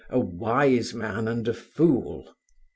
a wise man and a fool.